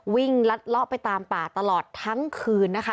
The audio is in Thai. วิ่งล็อตไปตามป่าตลอดทั้งคืนนะคะ